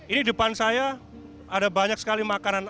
ini depan saya ada banyak sekali makanan